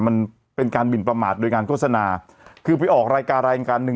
มันเป็นการหมินประมาทโดยการโฆษณาคือไปออกรายการรายการหนึ่ง